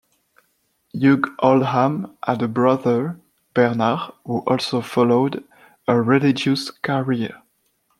Hugh Oldham had a brother, Bernard, who also followed a religious career.